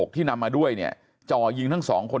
ที่นำมาด้วยเนี่ยจ่อยิงทั้งสองคน